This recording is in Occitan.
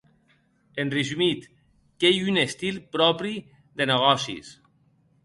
En resumit, qu’ei un estil pròpri de negòcis.